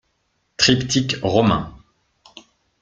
Triptyque romain.